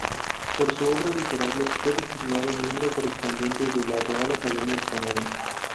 Por su obra literaria, fue designado miembro correspondiente de la Real Academia Española.